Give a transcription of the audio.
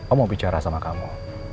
om mau bicara sama kamu